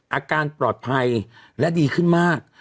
อาการปลอดภัยและดีขึ้นมาก